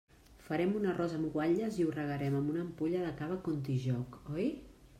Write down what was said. Farem un arròs amb guatlles i ho regarem amb una ampolla de cava Contijoch, oi?